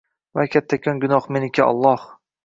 Va kattakon gunoh meniki, Alloh